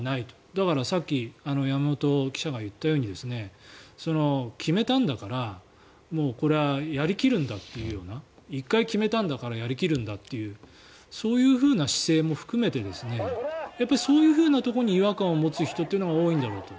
だから、さっき山本記者が言ったように決めたんだから、もうこれはやり切るんだというような１回決めたんだからやり切るんだというそういうふうな姿勢も含めてそういうところに違和感を持つ人というのが多いんだろうと。